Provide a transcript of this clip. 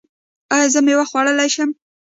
ایا زه میوه خوړلی شم؟